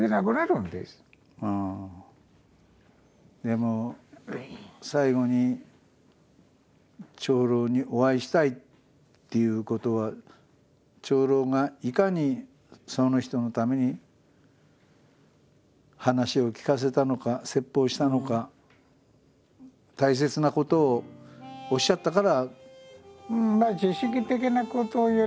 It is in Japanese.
時々でも最後に長老にお会いしたいっていうことは長老がいかにその人のために話を聞かせたのか説法したのか大切なことをおっしゃったから。